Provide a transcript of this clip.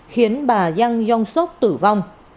khiến bà yang yong seok tử vong